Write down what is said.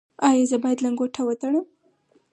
ایا زه باید لنګوټه ول تړم؟